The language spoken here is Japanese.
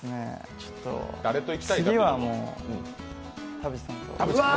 次はもう田渕さんと。